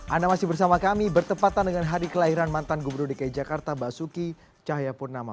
anda masih bersama kami bertepatan dengan hari kelahiran mantan gubernur dki jakarta basuki cahayapurnama